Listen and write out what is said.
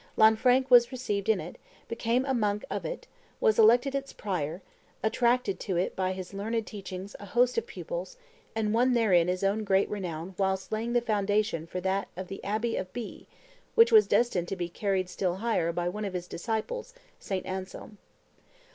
Lanfranc was received in it, became a monk of it, was elected its prior, attracted to it by his learned teaching a host of pupils, and won therein his own great renown whilst laying the foundation for that of the abbey of Bee, which was destined to be carried still higher by one of his disciples, St. Anselm.